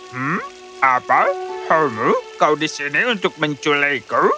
hmm apa homo kau di sini untuk menculikku